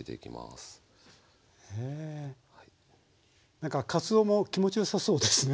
なんかかつおも気持ちよさそうですね。